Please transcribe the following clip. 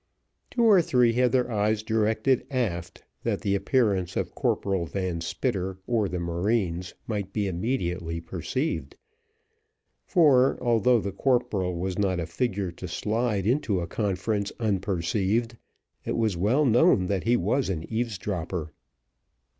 Two or three had their eyes directed aft, that the appearance of Corporal Van Spitter or the marines might be immediately perceived; for, although the corporal was not a figure to slide into a conference unperceived, it was well known that he was an eavesdropper.